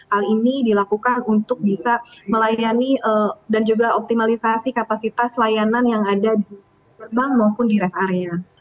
hal ini dilakukan untuk bisa melayani dan juga optimalisasi kapasitas layanan yang ada di gerbang maupun di rest area